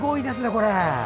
これ。